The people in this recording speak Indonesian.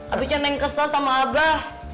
abisnya neng kesel sama abah